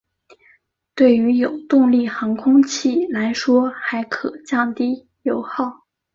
对于有动力航空器来说还可降低油耗。